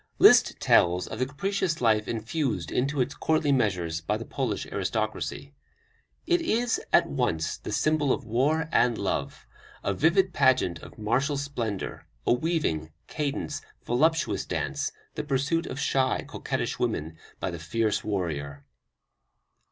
Liszt tells of the capricious life infused into its courtly measures by the Polish aristocracy. It is at once the symbol of war and love, a vivid pageant of martial splendor, a weaving, cadenced, voluptuous dance, the pursuit of shy, coquettish woman by the fierce warrior.